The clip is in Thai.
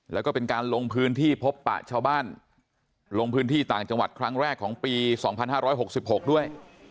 แล้วก็เป็นการลงพื้นที่พบปะชาวบ้านลงพื้นที่ต่างจังหวัดครั้งแรกของปีสองพันห้าร้อยหกสิบหกด้วย